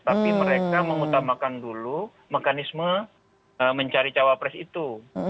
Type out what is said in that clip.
tapi mereka mengutamakan dulu mekanisme mencari cawapres itu